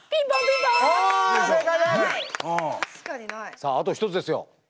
さああと１つですよ。